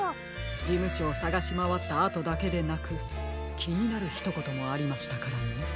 じむしょをさがしまわったあとだけでなくきになるひとこともありましたからね。